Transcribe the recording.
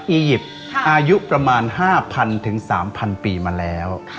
อียิปต์อายุประมาณ๕๐๐ถึง๓๐๐ปีมาแล้ว